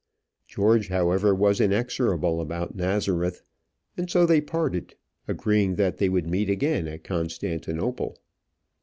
George, however, was inexorable about Nazareth: and so they parted, agreeing that they would meet again at Constantinople.